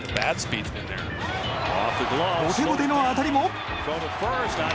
ボテボテの当たりも。